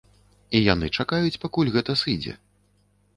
І яны чакаюць, пакуль гэта сыдзе.